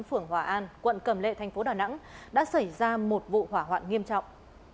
phường hòa an quận cầm lệ tp đà nẵng đã xảy ra một vụ hỏa hoạn nghiêm trọng